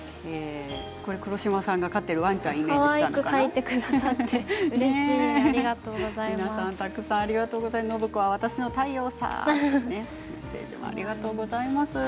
黒島さんが飼っているワンちゃんをイメージしたものもありますね。